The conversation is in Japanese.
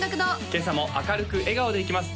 今朝も明るく笑顔でいきます